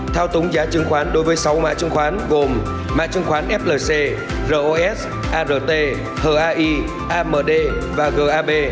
thao túng giá chứng khoán đối với sáu mã chứng khoán gồm mã chứng khoán flc ros art hai amd và gab